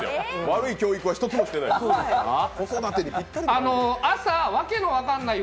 悪い教育は１つもしてない。